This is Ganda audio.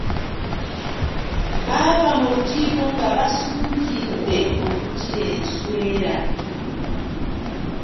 Baava mu lukiiko nga basuukidde okukira enswera.